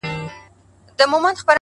زما د ژوند هره شيبه او گړى-